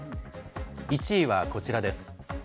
１位はこちらです。